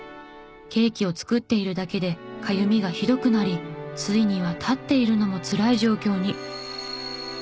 ケーキを作っているだけでかゆみがひどくなりついには立っているのもつらい状況に。